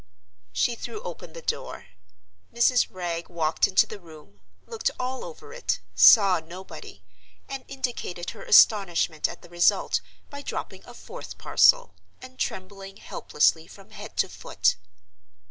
She threw open the door. Mrs. Wragge walked into the room—looked all over it—saw nobody—and indicated her astonishment at the result by dropping a fourth parcel, and trembling helplessly from head to foot.